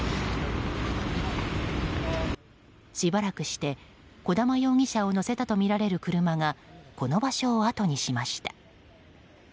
しばらくして、児玉容疑者を乗せたとみられる車がこの場所をあとにしました。